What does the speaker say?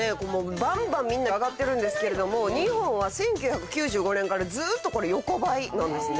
バンバンみんな上がってるんですけれども日本は１９９５年からずっと横ばいなんですね。